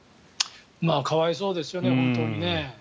可哀想ですよね、本当に。